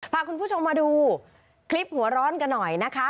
พาคุณผู้ชมมาดูคลิปหัวร้อนกันหน่อยนะคะ